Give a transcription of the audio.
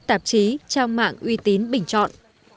tạp chí trang mạng uy tín bình chọn